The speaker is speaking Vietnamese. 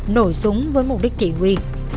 nổ súng với mục đích thị huy